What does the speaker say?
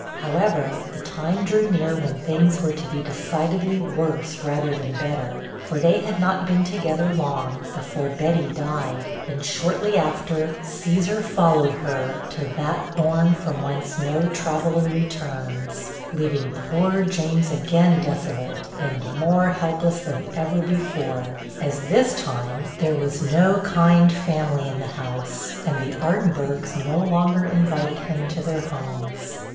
However, the time drew near when things were to be decidedly worse rather than better; for they had not been together long, before Betty died, and shortly after, Caesar followed her to 'that bourne from whence no traveller returns' leaving poor James again desolate, and more helpless than ever before; as, this time, there was no kind family in the house, and the Ardinburghs no longer invited him to their homes.